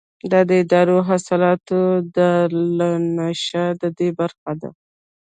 د اداري اصلاحاتو دارالانشا ددې برخه ده.